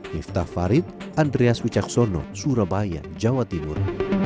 miftah farid andreas wicaksono surabaya jawa timur